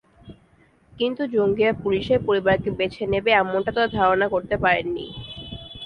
কিন্তু জঙ্গিরা পুলিশের পরিবারকে বেছে নেবে, এমনটা তাঁরা ধারণা করতে পারেননি।